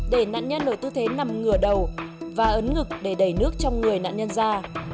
để nạn nhân ở tư thế nằm ngửa đầu và ấn ngực để đẩy nước trong người nạn nhân ra